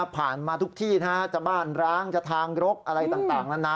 มาทุกที่นะจะบ้านร้างจะทางรกอะไรต่างนานา